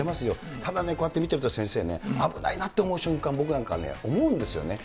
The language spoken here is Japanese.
ただね、こうやって見てると先生ね、危ないなって思う瞬間、僕なんか思うんですよね。